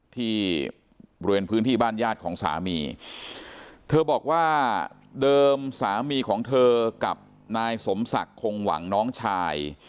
ที่บริเวณพื้นที่บ้านญาติของสามีเธอบอกว่าเดิมสามีของเธอกับนายสมศักดิ์คงหวังน้องชาย